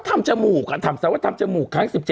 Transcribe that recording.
ทำจมูกอ่ะทำจมูกครั้งสิบเจ็บ